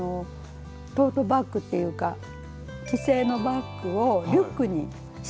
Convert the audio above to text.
トートバッグっていうか既製のバッグをリュックに仕立て直したんです。